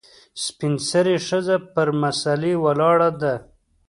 سپین سرې ښځه پر مسلې ولاړه ده .